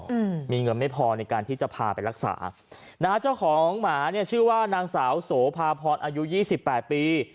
อืมมีเงินไม่พอในการที่จะพาไปรักษานะฮะเจ้าของหมาเนี้ยชื่อว่านางสาวโสภาพรอายุยี่สิบแปดปี